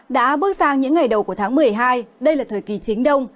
đã bước sang những ngày đầu của tháng một mươi hai đây là thời kỳ chính đông